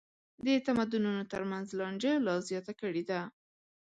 د تمدنونو تر منځ لانجه لا زیاته کړې ده.